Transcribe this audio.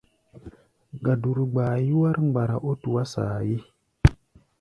Gaduru gbaa yúwár mgbara ó tuá saayé.